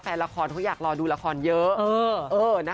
แฟนละครเขาอยากรอดูละครเยอะ